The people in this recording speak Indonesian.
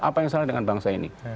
apa yang salah dengan bangsa ini